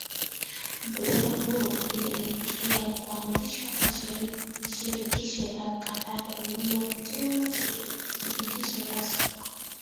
mkutano huo ulipelekea kuanzishwa kwa shirikisho la kandanda lililoitwa shirikisho la soka